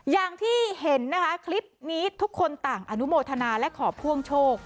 อย่างที่เห็นนะคะคลิปนี้ทุกคนต่างอนุโมทนาและขอพ่วงโชค